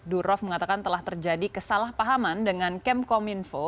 durov mengatakan telah terjadi kesalahpahaman dengan kemkom info